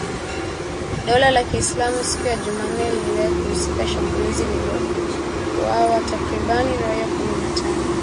Dola la kiislamu siku ya Jumanne lilidai kuhusika na shambulizi lililouwa takribani raia kumi na tano